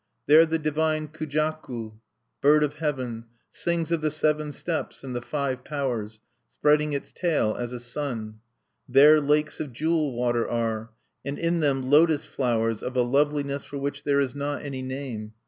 "There the divine Kujaku, bird of heaven, sings of the Seven Steps and the Five Powers, spreading its tail as a sun. "There lakes of jewel water are, and in them lotos flowers of a loveliness for which there is not any name.